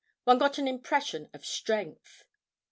One got an impression of strength.